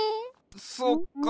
そっか。